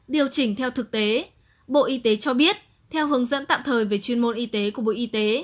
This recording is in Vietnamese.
điều chỉnh theo thực tế bộ y tế cho biết theo hướng dẫn tạm thời về chuyên môn y tế của bộ y tế